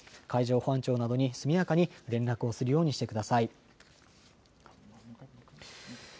海上保安庁などに速やかに連絡するようにしてください。